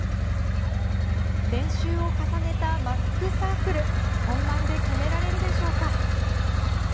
練習を重ねたマックサークル本番で決められるでしょうか。